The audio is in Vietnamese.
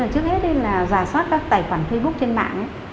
trước hết là giả soát các tài khoản facebook trên mạng